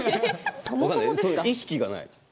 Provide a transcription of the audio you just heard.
意識がない。